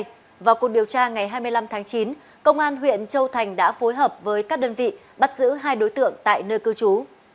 trước đó vào đêm ngày ba tháng chín công an huyện châu thành đã phối hợp với các đơn vị bắt giữ hai đối tượng tại nơi cư trú